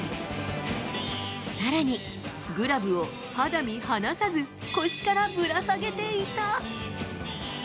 さらに、グラブを肌身離さず腰からぶらさげていた。